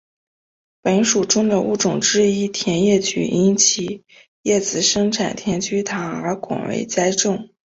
本属中的物种之一甜叶菊因其叶子生产甜菊糖而广为栽种。